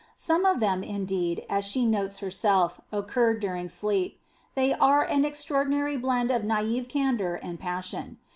Some of them, indeed, as she notes herself, occurred during sleep. They are an extra ordinary blend of naive candour and passion.